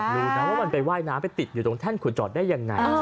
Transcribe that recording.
รู้นะว่ามันไปว่ายน้ำไปติดอยู่ตรงแท่นขุดจอดได้ยังไง